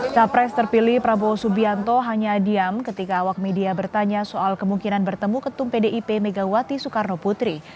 capres terpilih prabowo subianto hanya diam ketika awak media bertanya soal kemungkinan bertemu ketum pdip megawati soekarno putri